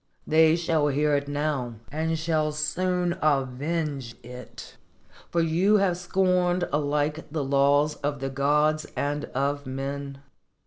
They shall hear it now, and shall soon avenge it; for you have scorned alike the laws of the gods and of men."